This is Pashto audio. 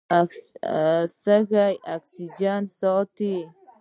سږي اکسیجن ساتي.